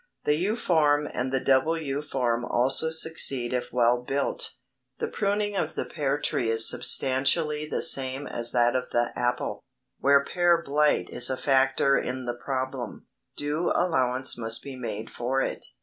The U form and the double U form also succeed if well built. The pruning of the pear tree is substantially the same as that of the apple. Where pear blight is a factor in the problem, due allowance must be made for it.